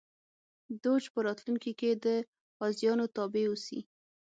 دوج په راتلونکي کې د قاضیانو تابع اوسي.